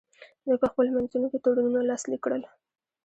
دوی په خپلو منځونو کې تړونونه لاسلیک کړل